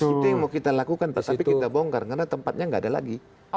itu yang mau kita lakukan tapi kita bongkar karena tempatnya nggak ada lagi